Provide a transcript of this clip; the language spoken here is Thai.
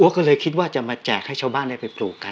ก็เลยคิดว่าจะมาแจกให้ชาวบ้านได้ไปปลูกกัน